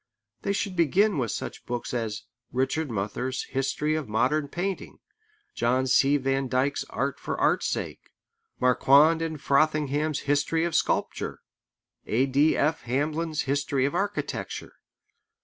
They should begin with such books as Richard Muther's History of Modern Painting, John C. Van Dyke's Art for Art's Sake, Marquand and Frothingham's History of Sculpture, A.D.F. Hamlin's History of Architecture.